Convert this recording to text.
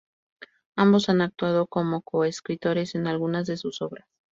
Ambos han actuado como co-escritores en algunas de sus obras.